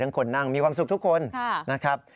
คนนั่งมีความสุขทุกคนนะครับ